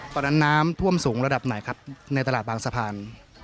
ตอนนั้นน้ำท่วมสูงระดับไหนครับในตลาดบางสะพาน